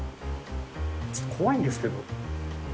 ちょっと怖いんですけど。